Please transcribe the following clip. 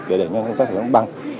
để để nhân công tác chậm giảm bằng